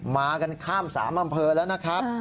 มากันข้าม๓อำเภอแล้วนะครับ